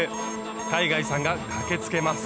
海外さんが駆けつけます。